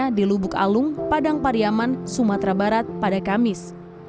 dan dianggapnya di venug alung padang pariaman sumatera barat pada kamis